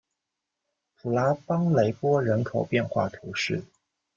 普拉邦雷波人口变化图示